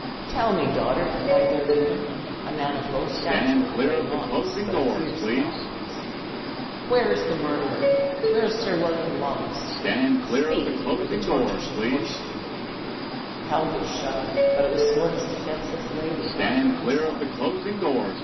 "Tell me, dotard!" cried their leader, a man of low stature, with gray locks, but a fierce countenance, "where is the murderer? Where is Sir William Wallace? Speak, or the torture shall force you." Halbert shuddered, but it was for his defenseless lady, not for himself.